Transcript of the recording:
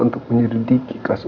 untuk menyedihki kasus itu